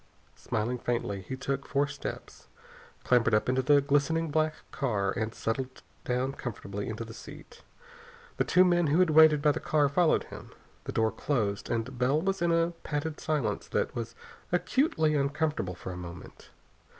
Smiling faintly, he took four steps, clambered up into the glistening black car, and settled down comfortably into the seat. The two men who had waited by the car followed him. The door closed, and Bell was in a padded silence that was acutely uncomfortable for a moment.